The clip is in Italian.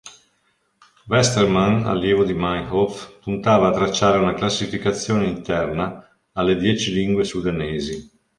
Westermann, allievo di Meinhof, puntava a tracciare una classificazione interna alle dieci lingue sudanesi.